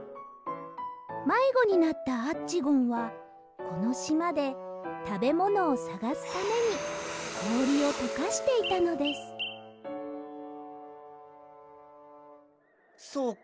まいごになったアッチゴンはこのしまでたべものをさがすためにこおりをとかしていたのですそうか